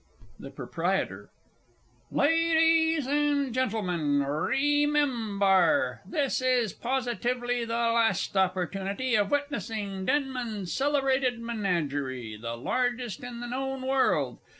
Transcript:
THE PROPRIETOR. Ladies and Gentlemen, Re mem bar! This is positively the last opportunity of witnessing Denman's Celebrated Menagerie the largest in the known world!